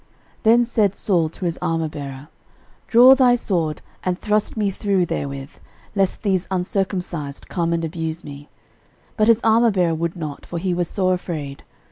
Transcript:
13:010:004 Then said Saul to his armourbearer, Draw thy sword, and thrust me through therewith; lest these uncircumcised come and abuse me. But his armourbearer would not; for he was sore afraid.